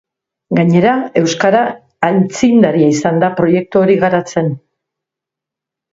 Gainera, euskara aitzindaria izan da proiektu hori garatzen.